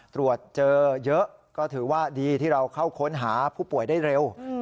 ตรวจเจอเยอะก็ถือว่าดีที่เราเข้าค้นหาผู้ป่วยได้เร็ว